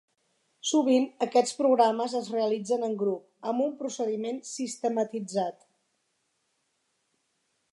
Sovint, aquests programes es realitzen en grup amb un procediment sistematitzat.